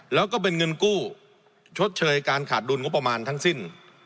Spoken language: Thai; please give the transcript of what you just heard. แล้วก็เป็นเงินกู้ชดเชยการขาดดุลงบประมาณทั้งสิ้น